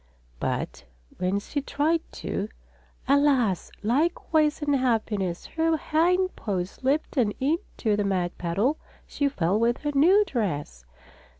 But when she tried to, alas! Likewise unhappiness. Her hind paws slipped and into the mud puddle she fell with her new dress.